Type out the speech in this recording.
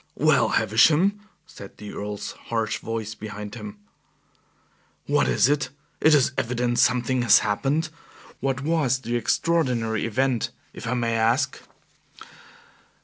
"Well, Havisham," said the Earl's harsh voice behind him. "What is it? It is evident something has happened. What was the extraordinary event, if I may ask?"